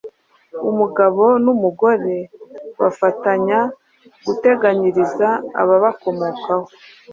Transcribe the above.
Umugabo n’umugore bafatanya guteganyiriza ababakomokaho.